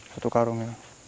satu karung ya